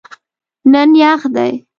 نن یخ دی